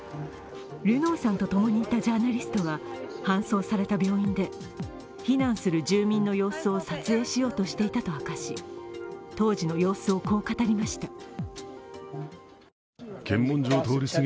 ルノーさんとともにいたジャーナリストは、搬送された病院で避難する住人の様子を撮影しようとしていたと明かし当時の様子をこう語りました。